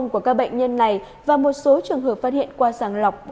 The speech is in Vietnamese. của các bệnh nhân này và một số trường hợp phát hiện qua sàng lọc